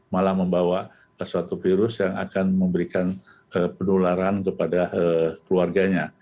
malah membawa suatu virus yang akan memberikan penularan kepada keluarganya